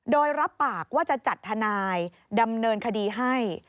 โดยรับปากว่าจะจัดทนายดำเนินคดีให้